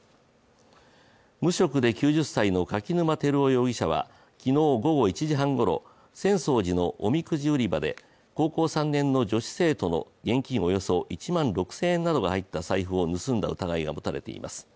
無職で９０歳の柿沼輝夫容疑者は昨日午後１時半ごろ、浅草寺のおみくじ売り場で高校３年の女子生徒の現金およそ１万６０００円などが入った財布を盗んだ疑いが持たれています。